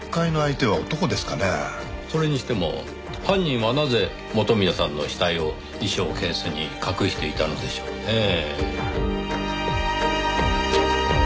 それにしても犯人はなぜ元宮さんの死体を衣装ケースに隠していたのでしょうねぇ。